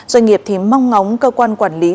doanh nghiệp thì mong ngóng cơ quan quản lý